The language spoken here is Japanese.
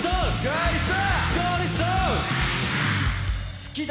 好きだ。